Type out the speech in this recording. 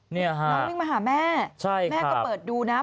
เนี่ยฮะน้องวิ่งมาหาม่าใช่ครับแม่ก็เปิดดูนะ